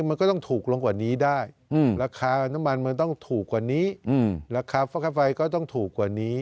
มันก็ต้องถูกลงกว่านี้ได้ราคาน้ำมันมันต้องถูกกว่านี้ราคาฟอกค่าไฟก็ต้องถูกกว่านี้